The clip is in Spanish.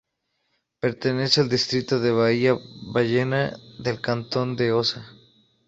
Pertenece al distrito de Bahía Ballena del cantón de Osa.